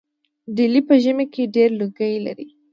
ډیلي په ژمي کې ډیر لوګی لري.